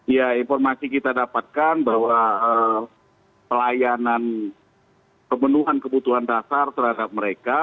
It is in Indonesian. ya informasi kita dapatkan bahwa pelayanan pemenuhan kebutuhan dasar terhadap mereka